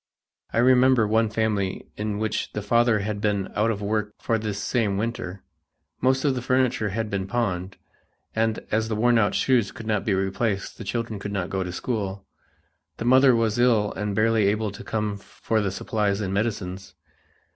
I remember one family in which the father had been out of work for this same winter, most of the furniture had been pawned, and as the worn out shoes could not be replaced the children could not go to school. The mother was ill and barely able to come for the supplies and medicines.